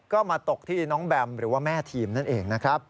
ก็มาตกที่น้องแบมหรือว่าแม่ทีมนั่นเองนะครับ